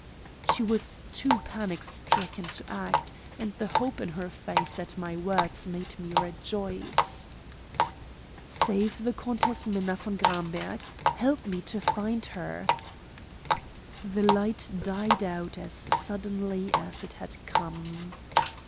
She was too panic stricken to act, and the hope in her face at my words made me rejoice. "Save the Countess Minna von Gramberg. Help me to find her." The light died out as suddenly as it had come.